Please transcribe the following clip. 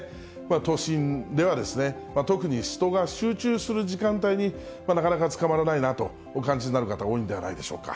都心では、特に人が集中する時間帯に、なかなかつかまらないなとお感じになる方、多いんではないでしょうか。